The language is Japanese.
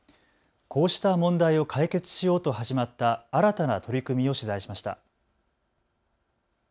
こうした問題を解決しようと始まった新たな取り組みを取材しました。